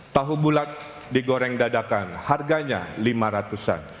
tahu bulat digoreng dadakan harganya lima ratusan